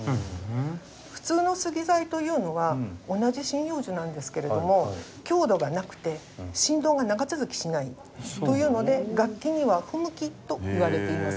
普通の杉材というのは同じ針葉樹なんですけれども強度がなくて振動が長続きしないというので楽器には不向きといわれています。